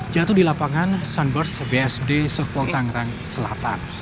jatuh di lapangan sunburst bsd softwal tangerang selatan